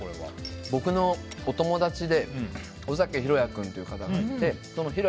僕のお友達で尾崎裕哉君という方がいて。